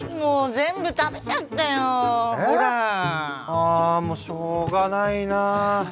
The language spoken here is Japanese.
あもうしょうがないなあ。